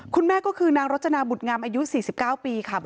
คุณแม่ก็คือนางรจนาบุตงามอายุ๔๙ปีค่ะ